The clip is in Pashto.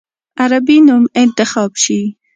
عربي نوم انتخاب شي.